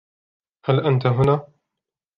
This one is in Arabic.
هل انت هنا؟